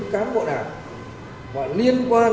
cái thứ hai nữa